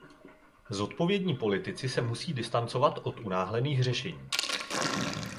Zodpovědní politici se musí distancovat od unáhlených řešení.